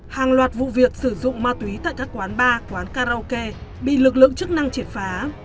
hàng loạt vụ việc sử dụng ma túy tại các quán bar quán karaoke bị lực lượng chức năng triệt phá